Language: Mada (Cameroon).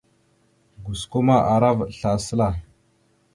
Osko ma ara vaɗ slasəla.